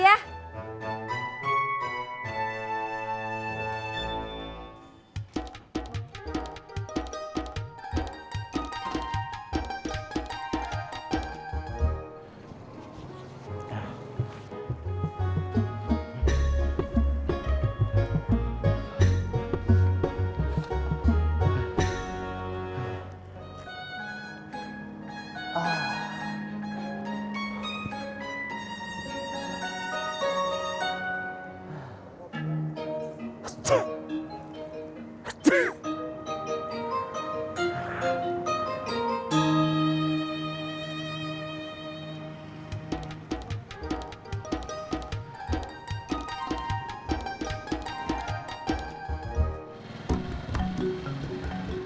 aku masuk dulu ya